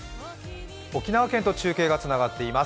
沖縄県と中継がつながっています。